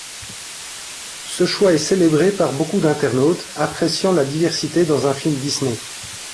Ce choix est célébré par beaucoup d'internautes, appréciant la diversité dans un film Disney.